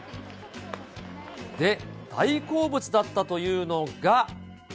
で、大好物だったというのが。